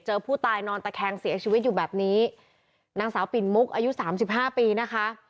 ผู้ตายนอนตะแคงเสียชีวิตอยู่แบบนี้นางสาวปิ่นมุกอายุสามสิบห้าปีนะคะ